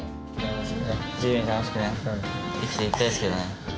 自由に楽しくね生きていきたいですけどね。